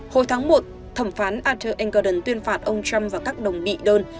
hồi tháng một thẩm phán arthur n gordon tuyên phạt ông trump vào các đồng bị đơn